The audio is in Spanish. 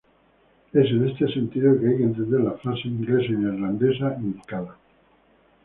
Es en este sentido que hay que entender las frases inglesa y neerlandesa indicadas.